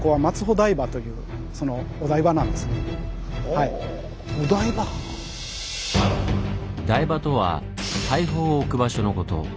台場とは大砲を置く場所のこと。